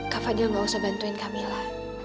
kak fadil nggak usah bantuin camilla